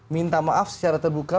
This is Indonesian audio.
minta maaf secara terbuka